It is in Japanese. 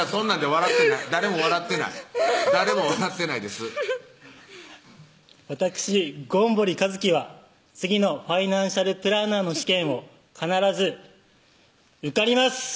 わたくし権堀一紀は次のファイナンシャルプランナーの試験を必ず受かります！